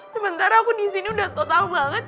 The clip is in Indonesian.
sementara aku disini udah total banget